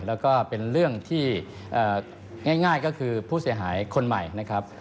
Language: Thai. แล้วก็เป็นเรื่องที่ง่ายก็คือผู้เสียหายคนใหม่นะครับ